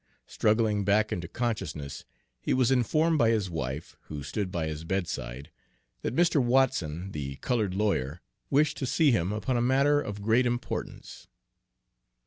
Struggling back into consciousness, he was informed by his wife, who stood by his bedside, that Mr. Watson, the colored lawyer, wished to see him upon a matter of great importance.